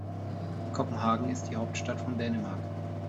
Kopenhagen ist die Hauptstadt von Dänemark.